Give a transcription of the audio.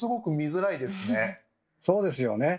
そうですよね。